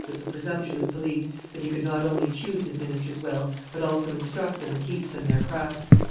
with the presumptuous belief that he could not only choose his ministers well, but also instruct them and teach them their craft," says M.